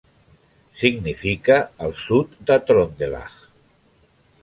Significa 'El sud de Trøndelag'.